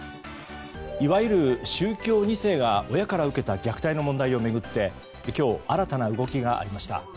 いわゆる宗教２世から親から受けた虐待の問題を巡って今日、新たな動きがありました。